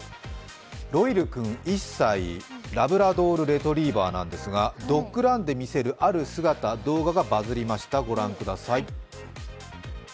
ロイル君１歳、ラブラドール・レトリバーなんですが、ドッグランで見せるある姿、動画がバズりました、ご覧ください